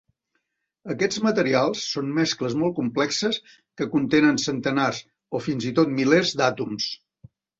Aquests materials són mescles molt complexes que contenen centenars o fins i tot milers d'àtoms.